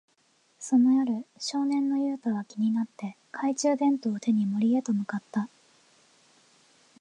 その夜、少年のユウタは気になって、懐中電灯を手に森へと向かった。